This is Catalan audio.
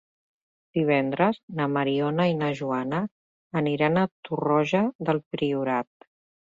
Divendres na Mariona i na Joana aniran a Torroja del Priorat.